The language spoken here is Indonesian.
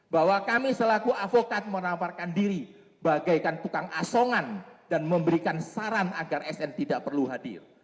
bahwa kami selaku avokat menawarkan diri bagaikan tukang asongan dan memberikan saran agar sn tidak perlu hadir